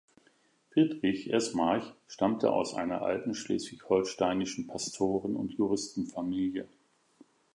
Friedrich Esmarch stammte aus einer alten schleswig-holsteinischen Pastoren- und Juristenfamilie.